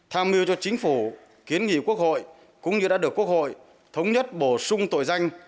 tham mưu cho chính phủ kiến nghị quốc hội cũng như đã được quốc hội thống nhất bổ sung tội danh